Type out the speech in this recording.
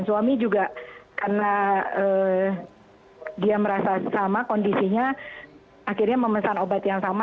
suami juga karena dia merasa sama kondisinya akhirnya memesan obat yang sama